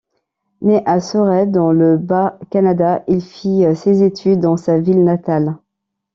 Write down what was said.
Né à Sorel dans le Bas-Canada, il fit ses études dans sa ville natale.